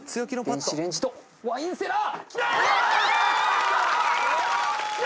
電子レンジとワインセラー！